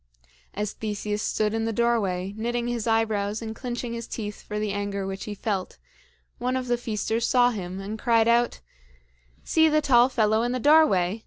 As Theseus stood in the doorway, knitting his eyebrows and clinching his teeth for the anger which he felt, one of the feasters saw him, and cried out: "See the tall fellow in the doorway!